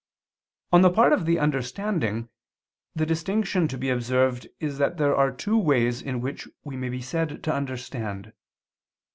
On the part of understanding the distinction to be observed is that there are two ways in which we may be said to understand.